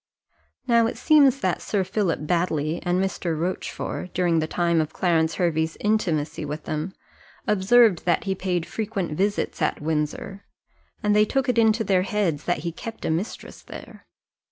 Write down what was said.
Now it seems that Sir Philip Baddely and Mr. Rochfort, during the time of Clarence Hervey's intimacy with them, observed that he paid frequent visits at Windsor, and they took it into their heads that he kept a mistress there.